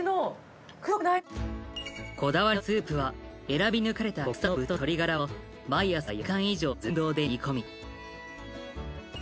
こだわりのスープは選び抜かれた国産の豚と鶏ガラを毎朝４時間以上寸胴で煮込み。